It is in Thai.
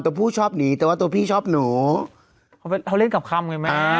ผู้ชอบหนีแต่ว่าตัวพี่ชอบหนูเขาเล่นกับคำไงแม่